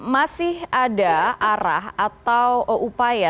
masih ada arah atau upaya